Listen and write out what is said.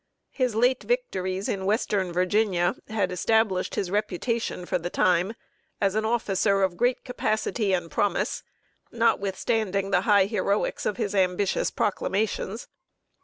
His late victories in Western Virginia had established his reputation for the time, as an officer of great capacity and promise, notwithstanding the high heroics of his ambitious proclamations.